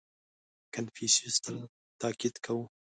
• کنفوسیوس تل تأکید کاوه.